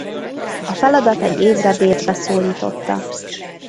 A feladat egy évre Bécsbe szólította.